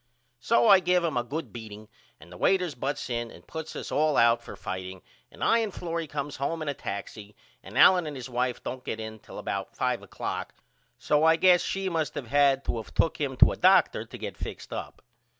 So I give him a good beating and the waiters butts in and puts us all out for fighting and I and Florrie comes home in a taxi and Allen and his wife don't get in till about 5 oclock so I guess she must of had to of took him to a doctor to get fixed up.